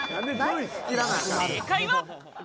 正解は。